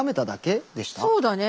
そうだね